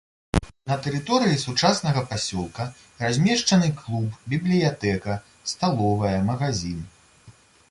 На тэрыторыі сучаснага пасёлка размешчаны клуб, бібліятэка, сталовая, магазін.